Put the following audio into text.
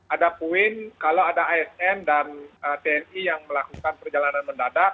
ada poin kalau ada asn dan tni yang melakukan perjalanan mendadak